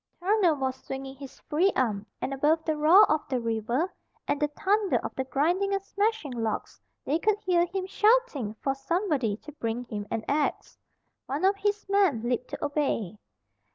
Turner was swinging his free arm, and above the roar of the river and the thunder of the grinding and smashing logs they could hear him shouting for somebody to bring him an axe. One of his men leaped to obey.